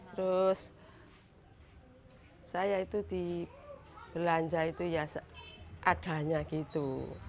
terus saya itu di belanja itu ya adanya gitu